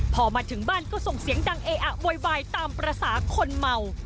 พอมาถึงบ้านก็ส่งเสียงดังเออะโวยวายตามภาษาคนเมา